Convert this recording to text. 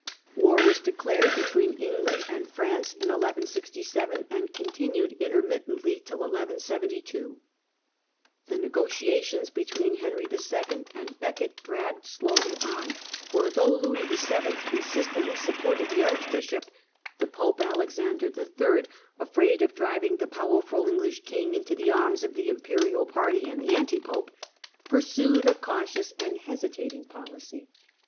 War was declared between France and England in 1167, and continued intermittently till 1172. The negotiations between Henry II. and Becket dragged slowly on, for though Louis VII. consistently supported the arch bishop, the Pope, Alexander III., afraid of driving the powerful English king into the arms of the imperial party and the anti pope, pursued a cautious and hesitating policy.